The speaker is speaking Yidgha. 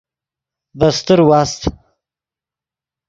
ڤے استر واست۔